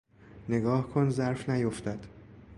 نگاه کن ظرف نیفتد